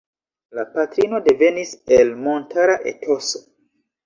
La patrino devenis el montara etoso.